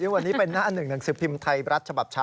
วันนี้เป็นหน้าหนึ่งหนังสือพิมพ์ไทยรัฐฉบับเช้า